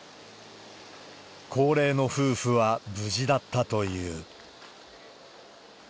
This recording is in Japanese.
高齢の夫婦は無事だったという。